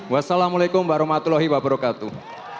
wassalamualaikum warahmatullahi wabarakatuh